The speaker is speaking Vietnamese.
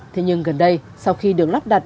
thế nhưng gần đây sau khi được lắp đặt